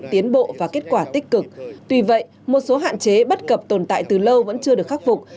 tiến bộ và kết quả tích cực tuy vậy một số hạn chế bất cập tồn tại từ lâu vẫn chưa được khắc phục